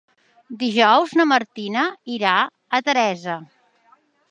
Dijous na Martina irà a Teresa.